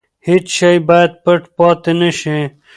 هیڅ شی باید پټ پاتې نه شي.